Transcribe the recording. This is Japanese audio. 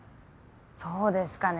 そうですかね？